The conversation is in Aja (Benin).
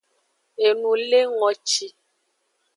Enulengoci.